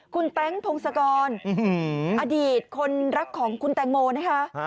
คุณแต๊งพงศกรอดีตคนรักของคุณแตงโมนะคะ